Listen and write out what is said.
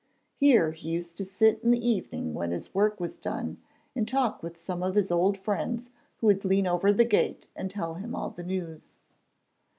Here he used to sit in the evening when his work was done, and talk with some of his old friends who would lean over the gate and tell him all the news.